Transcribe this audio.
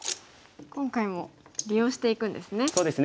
今回も利用していくんですね。